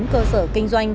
bốn cơ sở kinh doanh